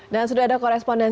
dan sudah ada koresponsornya